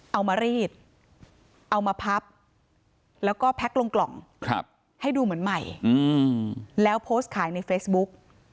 เอามารีดเอามาพับแล้วก็แพ็คลงกล่องให้ดูเหมือนใหม่แล้วโพสต์ขายในเฟซบุ๊ก